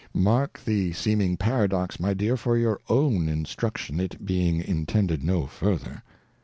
Mark the seeming Paradox my Dear, for your own Instruction, it being intended no further.